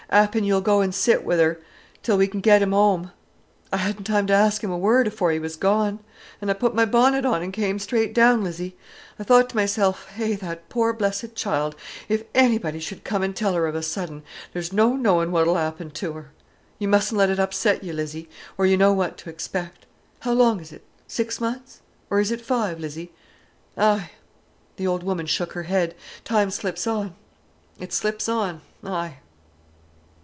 'Appen you'll go an' sit wi' 'er till we can get him home.' I hadn't time to ask him a word afore he was gone. An' I put my bonnet on an' come straight down, Lizzie. I thought to myself, 'Eh, that poor blessed child, if anybody should come an' tell her of a sudden, there's no knowin' what'll 'appen to 'er.' You mustn't let it upset you, Lizzie—or you know what to expect. How long is it, six months—or is it five, Lizzie? Ay!"—the old woman shook her head—"time slips on, it slips on! Ay!"